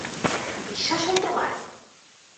বিশ্বাস হয় তোমার?